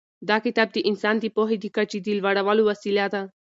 دا کتاب د انسان د پوهې د کچې د لوړولو وسیله ده.